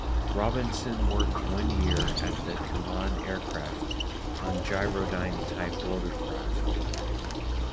Robinson worked one year at Kaman Aircraft on gyrodyne-type rotorcraft.